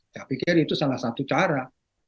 saya pikir itu salah satu cara